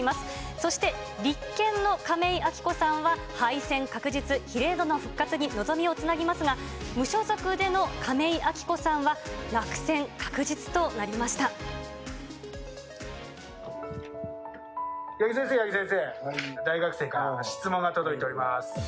そして立憲の亀井亜紀子さんは敗戦確実、比例での復活に望みをつなぎますが、無所属での亀井彰子さんは落八木先生、八木先生。大学生からの質問が届いております。